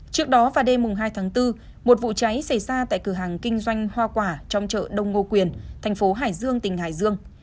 trước đó vào đêm hai tháng bốn một vụ cháy xảy ra tại cửa hàng kinh doanh hoa quả trong chợ đông ngô quyền thành phố hải dương tỉnh hải dương